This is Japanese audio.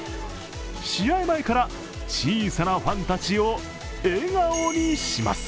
試合前から小さなファンたちを笑顔にします。